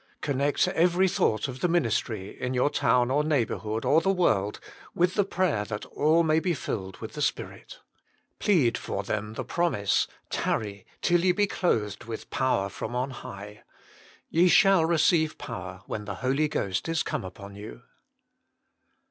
Connect every thought of the ministry, in your town or neighbourhood or the world, with the prayer that all may be filled with the Spirit. Plead for them the promise, Tarry till ye be clothed with power from on high. " "Ye shall receive power, when the Holy Ghost is come upon you."